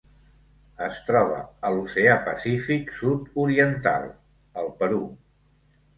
Es troba a l'Oceà Pacífic sud-oriental: el Perú.